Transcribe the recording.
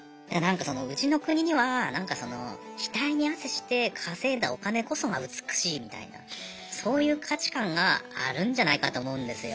うちの国には額に汗して稼いだお金こそが美しいみたいなそういう価値観があるんじゃないかと思うんですよ。